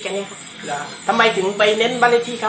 ด้วยทำไมถึงไปแน่นบ้านเลขที่ใกล้